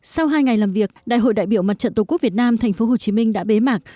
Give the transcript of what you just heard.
sau hai ngày làm việc đại hội đại biểu mặt trận tổ quốc việt nam tp hcm đã bế mạc